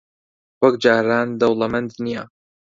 وەک جاران دەوڵەمەند نییە.